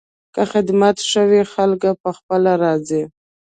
که خدمت ښه وي، خلک پخپله راځي.